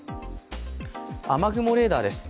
雨雲レーダーです。